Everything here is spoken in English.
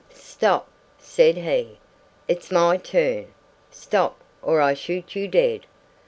"'Stop!' said he. 'It's my turn! Stop, or I shoot you dead!'